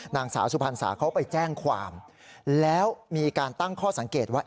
นางสาวสุพรรณสาเขาไปแจ้งความแล้วมีการตั้งข้อสังเกตว่า